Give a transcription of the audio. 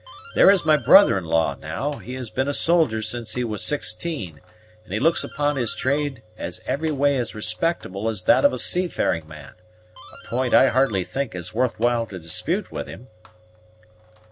There is my brother in law, now; he has been a soldier since he was sixteen, and he looks upon his trade as every way as respectable as that of a seafaring man, a point I hardly think it worth while to dispute with him."